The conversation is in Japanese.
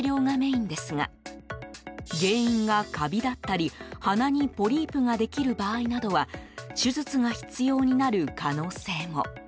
抗生物質など薬を使った治療がメインですが原因がカビだったり鼻にポリープができる場合などは手術が必要になる可能性も。